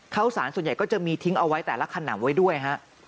ข้าวสารส่วนใหญ่ก็จะมีทิ้งเอาไว้แต่ละขนำไว้ด้วยฮะ